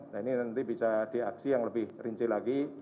nah ini nanti bisa diaksi yang lebih rinci lagi